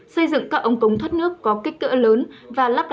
xây dựng các ống cống thoát nước có kích cực